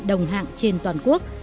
đồng hạng trên toàn quốc